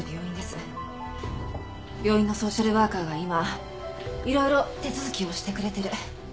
病院のソーシャルワーカーが今いろいろ手続きをしてくれてる。